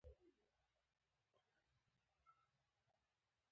هلته به دوی د خپلو کړو د پښیمانۍ وخت موند.